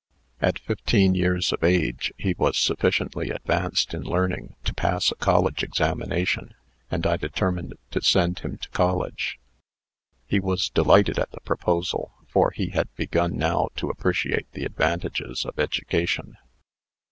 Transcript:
At fifteen years of age, he was sufficiently advanced in learning to pass a college examination, and I determined to send him to college. He was delighted at the proposal, for he had begun now to appreciate the advantages of education.